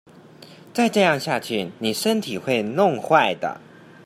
再這樣下去妳身體會弄壞的